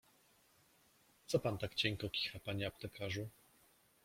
— Co pan tak cienko kicha, panie aptekarzu?